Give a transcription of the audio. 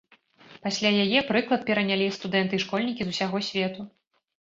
Пасля яе прыклад перанялі студэнты і школьнікі з усяго свету.